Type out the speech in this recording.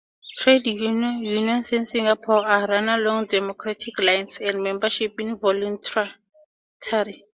Trade unions in Singapore are run along democratic lines, and membership is voluntary.